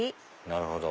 なるほど。